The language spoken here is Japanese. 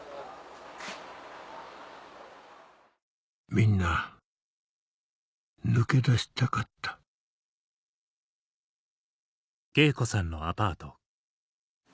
みんな抜け出したかった敬子さん